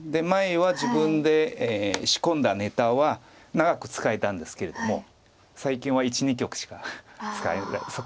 前は自分で仕込んだネタは長く使えたんですけれども最近は１２局しか使えない。